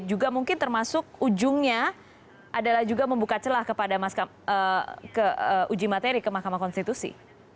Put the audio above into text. juga mungkin termasuk ujungnya adalah juga membuka celah kepada uji materi ke mahkamah konstitusi